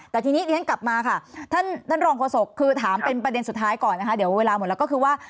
แต่ทีนี้เรียนกลับมาค่ะท่านรองโฆษกคือถามเป็นประเด็นสุดท้ายก่อนนะคะเดี๋ยวเวลาหมดแล้วก็คือว่า